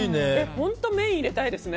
本当、麺入れたいですね。